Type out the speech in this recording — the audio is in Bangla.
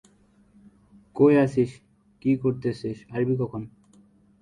বর্তমানে পত্রিকার সম্পাদক-প্রধান-শারদুল বিক্রম গুপ্ত।